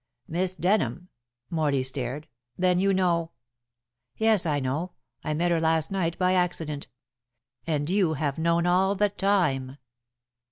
"Miss Denham." Morley stared. "Then you know " "Yes, I know; I met her last night by accident. And you have known all the time."